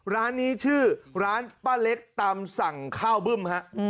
ร้านนี้ชื่อร้านป้าเล็กตามสั่งข้าวบึ้มฮะ